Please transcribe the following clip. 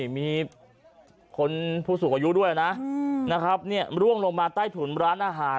มีคนผู้สูงอายุด้วยนะร่วงลงมาใต้ถุนร้านอาหาร